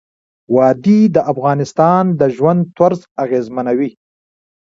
وادي د افغانانو د ژوند طرز اغېزمنوي.